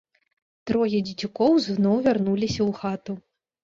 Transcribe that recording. Трое дзецюкоў зноў вярнуліся ў хату.